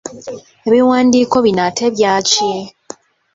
Ebiwandiiko bino, ate ebyaki?